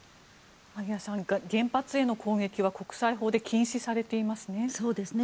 萩谷さん、原発への攻撃は国際法で禁止されていますね。